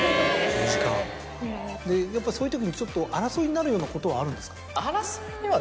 やっぱそういう時に争いになるようなことはあるんですか？